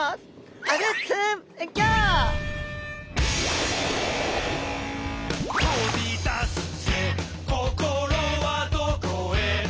「飛び出すぜ心はどこへ」